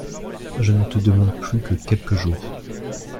Je ne te demande plus que quelques jours.